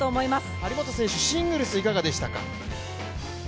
張本選手、シングルスいかがでしたか？